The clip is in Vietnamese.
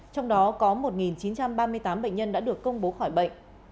trong đó có một chín trăm ba mươi tám bệnh nhân đã được công bố khỏi bệnh